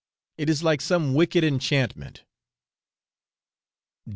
it is like some wicked enchantment.